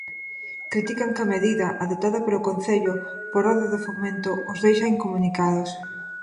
Critican que a medida, adoptada polo concello por orde de Fomento, os deixa incomunicados.